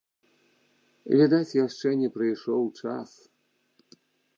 Відаць яшчэ не прыйшоў час.